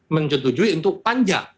menyetujui untuk panja